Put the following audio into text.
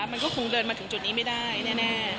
มันก็คงเดินมาถึงจุดนี้ไม่ได้แน่